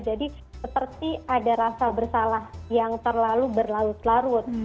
seperti ada rasa bersalah yang terlalu berlarut larut